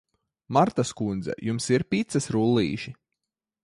Martas kundze, jums ir picas rullīši?